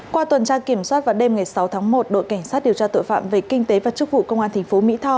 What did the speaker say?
qua tuần tra kiểm soát vào đêm ngày sáu tháng một đội cảnh sát điều tra tội phạm về kinh tế và chức vụ công an tp mỹ tho